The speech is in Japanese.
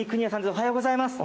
おはようございます。